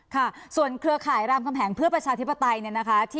ค่ะส่วนเครือข่ายรามแขมแหงเพื่อประชาธิปไตย